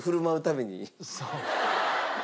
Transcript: そう。